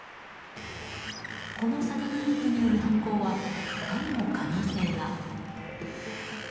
この詐欺グループによる犯行は他にも可能性が。